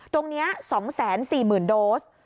ตรงนี้๒๔๐๐๐โดส